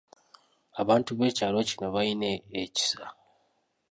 Abantu b’ekyalo kino balina ekisa.